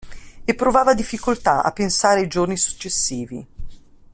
E provava difficoltà a pensare ai giorni successivi.